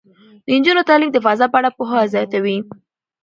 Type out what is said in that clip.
د نجونو تعلیم د فضا په اړه پوهه زیاتوي.